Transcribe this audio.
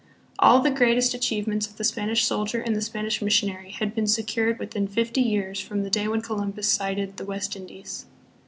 All the greatest achievements of the Spanish soldier and the Spanish missionary had been secured within fifty years from the day when Columbus sighted the West Indies.